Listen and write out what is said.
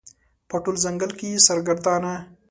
په ټول ځنګل کې یې سرګردانه